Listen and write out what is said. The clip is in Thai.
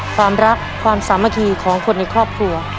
ความรักความสามัคคีของคนในครอบครัว